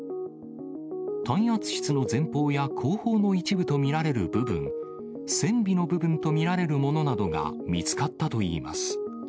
耐圧室の前方や後方の一部と見られる部分、船尾の部分と見られるものなどが、見つかったといいます。